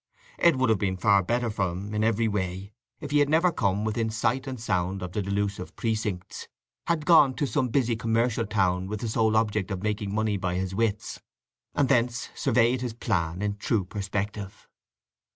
It would have been far better for him in every way if he had never come within sight and sound of the delusive precincts, had gone to some busy commercial town with the sole object of making money by his wits, and thence surveyed his plan in true perspective.